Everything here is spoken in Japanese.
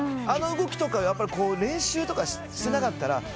あの動きとか練習とかしてなかったら。